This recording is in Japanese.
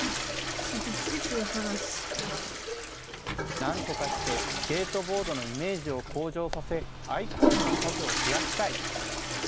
なんとかして、スケートボードのイメージを向上させ、愛好者の数を増やしたい。